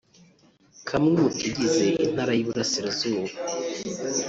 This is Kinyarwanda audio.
kamwe mu tugize Intara y’Iburasirazuba